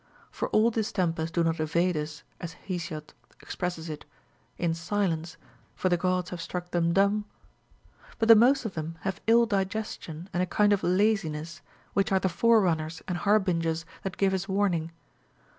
For all distempers do not invade us, as Hesiod expresses it, — In silence, — for the Gods have struck tliem dumb ;* but the most of them have ill digestion and a kind of a laziness, which are the forerunners and harbingers that give us warning.